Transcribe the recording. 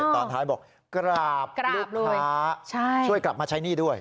ตอนท้ายบอกกราบลูกค้าช่วยกลับมาใช้หนี้ด้วย